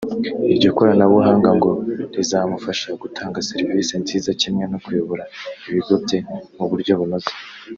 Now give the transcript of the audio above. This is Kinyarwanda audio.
iryo koranabuhanga ngo rizamufasha gutanga serivisi nziza kimwe no kuyobora ibigo bye mu buryo bunoze